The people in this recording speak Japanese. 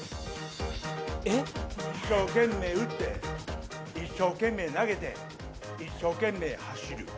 一生懸命打って、一生懸命投げて、一生懸命走る。